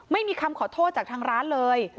ไม่มีคำขอโทษจากทางร้านเลย